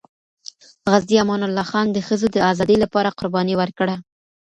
غازي امان الله خان د ښځو د ازادۍ لپاره قرباني ورکړه.